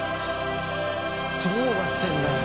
どうなってんだよ。